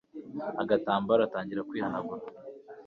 agatambaro atangira kwihanagura